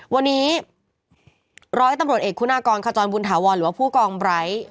วันนี้ร้อยตำรวจเอกคุณากรขจรบุญถาวรหรือว่าผู้กองไร้